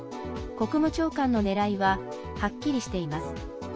国務長官のねらいははっきりしています。